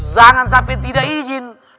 jangan sampai tidak izin